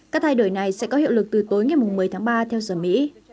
các thay đổi này sẽ có hiệu lực từ tối ngày một mươi tháng ba theo giờ mỹ